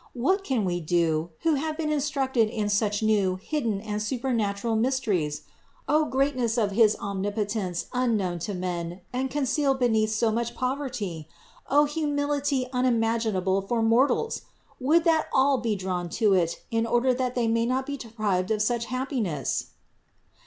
What can we do, who have been instructed in such new, hidden and super natural mysteries? O greatness of his Omnipotence un 478 THE INCARNATION 479 known to men and concealed beneath so much poverty! O humility unimaginable for mortals! Would that all be drawn to it, in order that they may not be deprived of such happiness